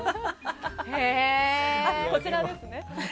こちらですね。